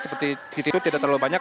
seperti ditidur tidak terlalu banyak